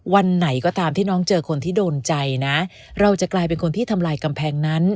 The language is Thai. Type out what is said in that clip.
วันไหนก็ตามที่น้องเจอคนที่โดนใจนะเราจะกลายเป็นคนที่ทำลายกำแพงนั้น